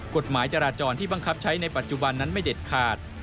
กฎหมายจราจรที่บังคับใช้ในปัจจุบันนั้นไม่เด็ดขาด